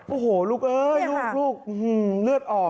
โอ้โหลูกเลือดออก